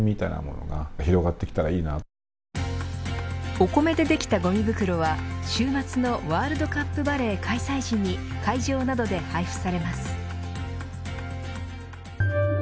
お米でできたごみ袋は週末のワールドカップバレー開催時に会場などで配布されます。